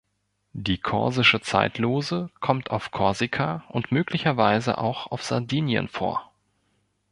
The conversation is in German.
Die Korsische Zeitlose kommt auf Korsika und möglicherweise auch auf Sardinien vor.